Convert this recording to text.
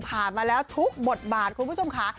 มาแล้วทุกบทบาทคุณผู้ชมค่ะ